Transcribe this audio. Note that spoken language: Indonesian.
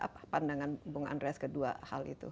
apa pandangan bung andreas kedua hal itu